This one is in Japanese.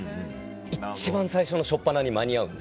一番最初の初っぱなに間に合うんです。